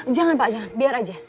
jangan pak jangan biar aja